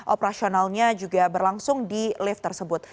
operasionalnya juga berlangsung di lift tersebut